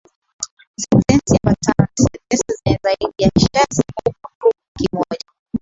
Sentensi ambatano ni sentensi zenye zaidi ya kishazi huru kimoja